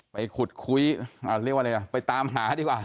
ไปขุดคุยเรียกว่าอะไรอ่ะไปตามหาดีกว่า